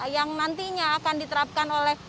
yang nantinya akan diterapkan oleh